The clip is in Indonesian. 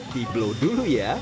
di blow dulu ya